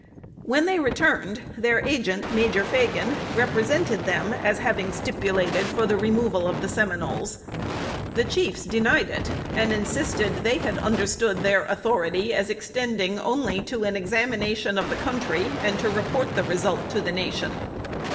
When they returned, their agent, Major Phagan, represented them as having stipulated for the positive removal of the Seminoles. The chiefs denied it, and insisted they had understood their authority as extending only to an examination of the country, and to report the result to the Nation.